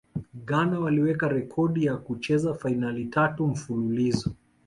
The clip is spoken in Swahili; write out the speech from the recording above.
ghana waliweka rekodi ya kucheza fainali tatu mfululizo